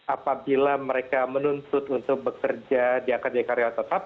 apabila mereka menuntut untuk bekerja di akademi karyawang tetap